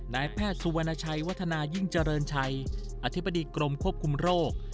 นายแพทย์สุวรรณชัยวัฒนายิ่งเจริญชัยอธิบดีกรมควบคุมโรค